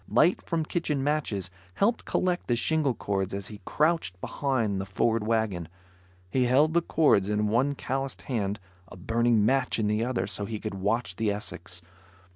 Light from kitchen matches helped collect the shingle cords as he crouched behind the Ford wagon. He held the cords in one calloused hand, a burning match in the other so he could watch the Essex.